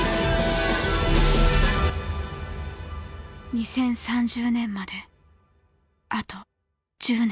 ２０３０年まであと１０年。